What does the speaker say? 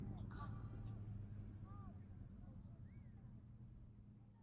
kwa maana ya kwamba ufalme uliotazamiwa na Wayahudi umewajia kwa njia yake